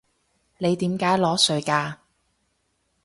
你點解裸睡㗎？